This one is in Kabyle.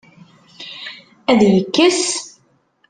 Ad yekkes?